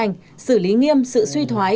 kiên quyết đấu tranh xử lý nghiêm sự suy thoái